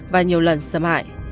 và nhiều lần xâm hại